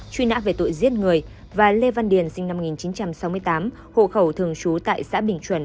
truy nã về tội giết người và lê văn điền sinh năm một nghìn chín trăm sáu mươi tám hộ khẩu thường trú tại xã bình chuẩn